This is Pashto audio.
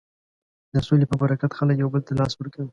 د سولې په برکت خلک یو بل ته لاس ورکوي.